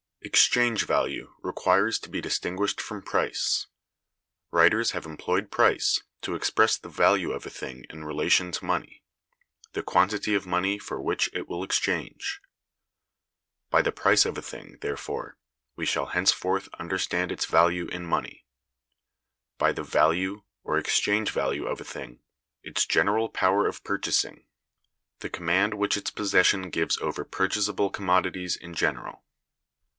Exchange value requires to be distinguished from Price. Writers have employed Price to express the value of a thing in relation to money—the quantity of money for which it will exchange. By the price of a thing, therefore, we shall henceforth understand its value in money; by the value, or exchange value of a thing, its general power of purchasing; the command which its possession gives over purchasable commodities in general.